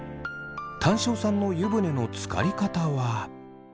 タン塩さんの湯船のつかり方は。